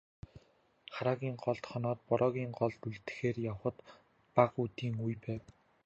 Хараагийн голд хоноод, Бороогийн голд үлдэхээр явахад бага үдийн үе байв.